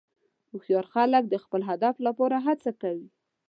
هوښیار خلک د خپل هدف لپاره هڅه کوي.